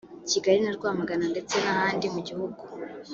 Kigali na Rwamagana ndetse n’ahandi mu gihugu